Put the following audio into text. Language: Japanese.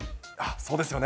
そうですよね。